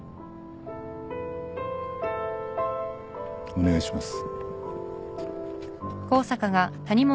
お願いします。